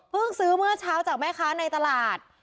ซื้อเมื่อเช้าจากแม่ค้าในตลาด